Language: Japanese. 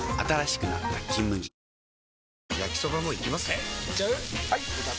えいっちゃう？